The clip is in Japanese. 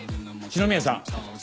四宮さん？